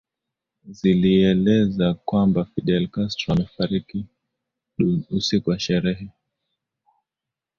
Ziliieleza kwamba Fidel Castro amefariki dunia usiku wa tarehe